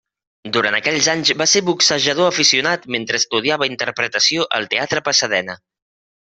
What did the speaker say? Durant aquells anys va ser boxejador aficionat mentre estudiava interpretació al Teatre Pasadena.